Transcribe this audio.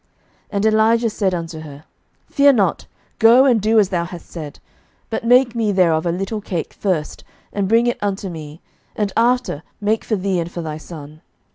11:017:013 And Elijah said unto her, Fear not; go and do as thou hast said: but make me thereof a little cake first, and bring it unto me, and after make for thee and for thy son.